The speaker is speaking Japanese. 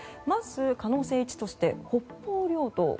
まず、可能性１として北方領土。